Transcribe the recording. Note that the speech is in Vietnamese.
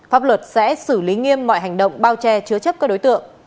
pháp luật sẽ xử lý nghiêm mọi hành động bao che chứa chấp các đối tượng